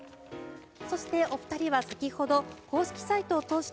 そして、お二人は先ほど、公式サイトを通して